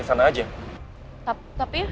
di sana aja tapi